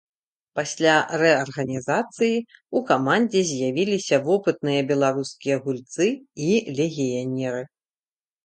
Пасля рэарганізацыі ў камандзе з'явіліся вопытныя беларускія гульцы і легіянеры.